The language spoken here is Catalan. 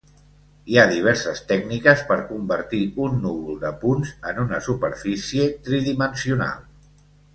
Hi ha diverses tècniques per convertir un núvol de punts en una superfície tridimensional.